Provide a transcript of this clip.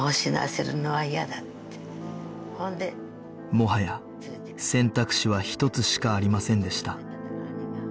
もはや選択肢は一つしかありませんでした